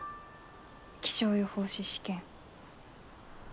気象予報士試験。